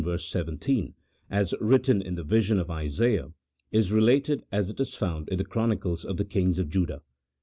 17), as written in the vision of Isaiah, is related as it is found in the chronicles of the kings of Judah.